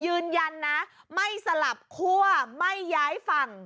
ยืนยันนะไม่สลับคั่วไม่ย้ายฝั่ง